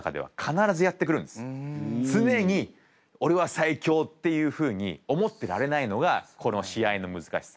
常に「オレは最強！」っていうふうに思ってられないのがこの試合の難しさ。